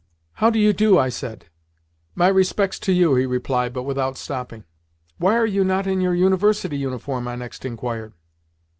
"How do you do?" I said. "My respects to you," he replied, but without stopping. "Why are you not in your University uniform?" I next inquired.